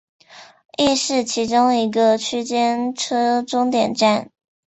亦是其中一个区间车终点站。